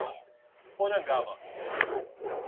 Porangaba